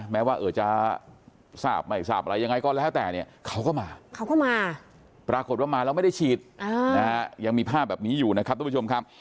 แม้ว่าจะทราบไม่ทราบอะไรยังไงก็แล้วแต่เนี่ยเขาก็มาเขาก็มาปรากฏว่ามาแล้วไม่ได้ฉีดยังมีภาพแบบนี้อยู่นะครับทุกผู้ชมครับ